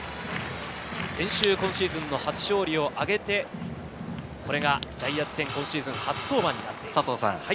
選手、今シーズン初勝利を挙げて、これがジャイアンツ戦、今シーズン初登板です。